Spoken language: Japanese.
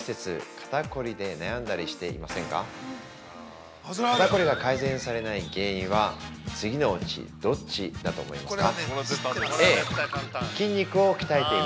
肩凝りが改善されない原因は次のうちどっちだと思いますか？